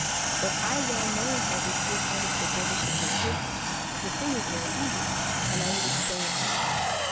But I well know how this good head of the dervises may cure her; the thing is very easy, and I will explain it to you.